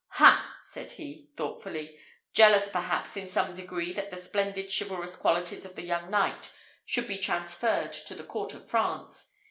"Ha!" said he, thoughtfully, jealous perhaps in some degree that the splendid chivalrous qualities of the young knight should be transferred to the court of France.